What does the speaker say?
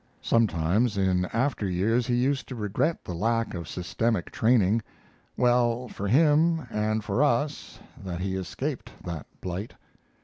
Sometimes, in after years, he used to regret the lack of systematic training. Well for him and for us that he escaped that blight.